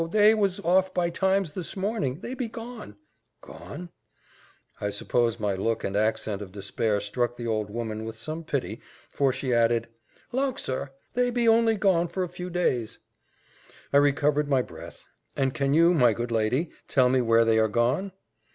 they was off by times this morning they be gone " "Gone?" I suppose my look and accent of despair struck the old woman with some pity, for she added, "Lauk, sir, they be only gone for a few days." I recovered my breath. "And can you, my good lady, tell me where they are gone?"